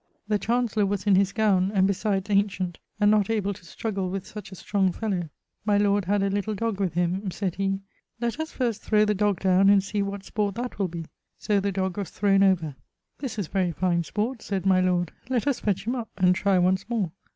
The Chancellour was in his gowne, and besides ancient, and not able to struggle with such a strong fellowe. My lord had a little dog with ; sayd he 'Let us first throwe the dog downe, and see what sport that will be'; so the dog was throwne over. 'This is very fine sport,' sayd my lord, 'let us fetch him up, and try once more.'